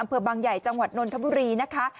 เผื่อบางใหญ่จังหวัดนทบุรีนะคะ